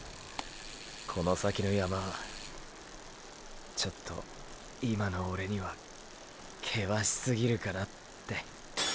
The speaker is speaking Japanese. この先の山はちょっと今のオレには険しすぎるかなって。！